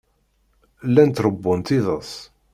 Llant ṛewwunt iḍes.